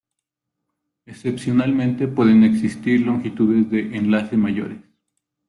Excepcionalmente pueden existir longitudes de enlace mayores.